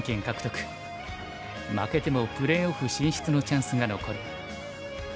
負けてもプレーオフ進出のチャンスが残る。